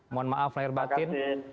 mohon maaf lahir batin